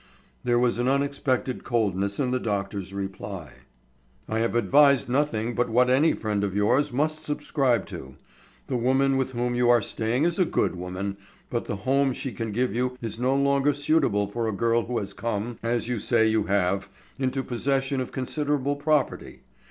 There was unexpected coldness in the doctor's reply: "I have advised nothing but what any friend of yours must subscribe to. The woman with whom you are staying is a good woman, but the home she can give you is no longer suitable for a girl who has come, as you say you have, into possession of considerable property.